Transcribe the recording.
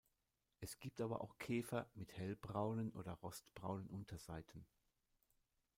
Es gibt aber auch Käfer mit hellbraunen oder rostbraunen Unterseiten.